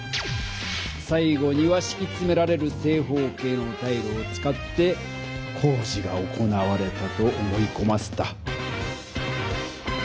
さい後にはしきつめられる正方形のタイルを使って工事が行われたと思いこませた。